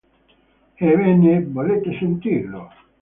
Ebbene, volete sentirlo!